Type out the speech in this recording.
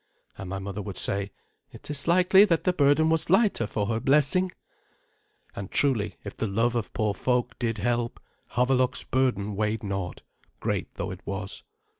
And my mother would say, "It is likely that the burden was lighter for her blessing." And, truly, if the love of poor folk did help, Havelok's burden weighed naught, great though it was.